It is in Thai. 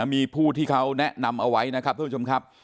มีผู้ที่เขาแนะนำเอาไว้นะครับท่านผู้ชมครับ